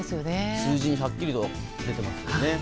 数字にはっきりと出ていますよね。